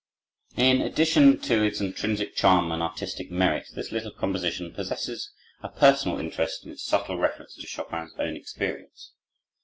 In addition to its intrinsic charm and artistic merit this little composition possesses a personal interest in its subtle reference to Chopin's own experience.